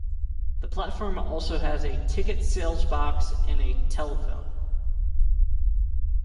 The platform also has a ticket sales box and a telephone.